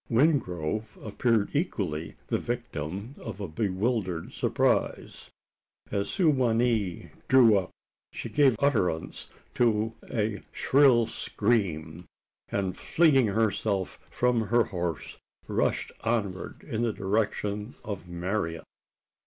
Wingrove appeared equally the victim of a bewildered surprise. As Su wa nee drew up, she gave utterance to a shrill scream; and flinging herself from her horse, rushed onward in the direction of Marian.